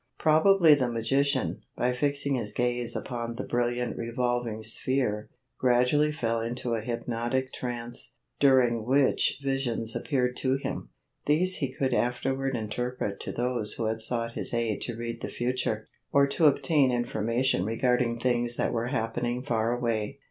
Probably the magician, by fixing his gaze upon the brilliant revolving sphere, gradually fell into a hypnotic trance, during which visions appeared to him. These he could afterward interpret to those who had sought his aid to read the future, or obtain information regarding things that were happening far away.